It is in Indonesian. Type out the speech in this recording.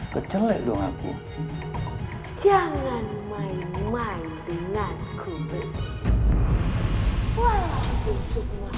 kecelakaan jangan main main dengan kubis